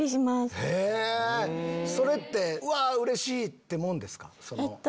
それってわうれしい！ってもんですか？